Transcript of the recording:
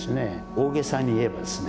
大げさに言えばですね